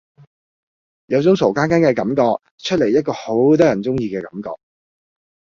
有種傻更更嘅感覺，出嚟一個好得人中意嘅感覺